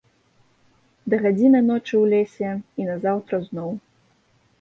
Да гадзіны ночы ў лесе, і назаўтра зноў.